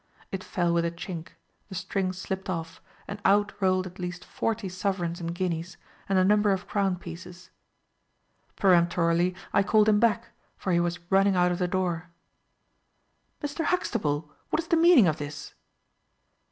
It fell with a chink, the string slipped off, and out rolled at least forty sovereigns and guineas, and a number of crown pieces. Peremptorily I called him back, for he was running out of the door. "Mr. Huxtable, what is the meaning of this?"